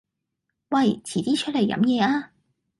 喂，遲啲出嚟飲嘢啊